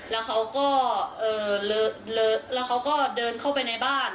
แล้วเขาก็เดินเข้าไปในบ้าน